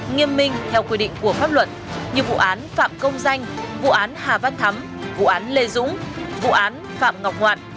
nghiêm minh theo quy định của pháp luật như vụ án phạm công danh vụ án hà văn thắm vụ án lê dũng vụ án phạm ngọc ngoạn